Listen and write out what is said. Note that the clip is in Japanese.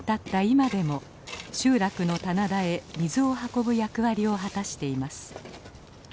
今でも集落の棚田へ水を運ぶ役割を果たしています。